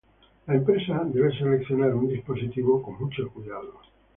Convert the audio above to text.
La empresa debe seleccionar un dispositivo con mucho cuidado.